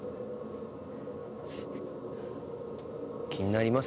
気になります？